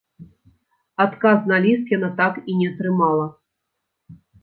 Адказ на ліст яна так і не атрымала.